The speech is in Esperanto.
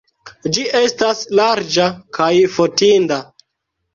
Ĝi estas larĝa kaj fotinda.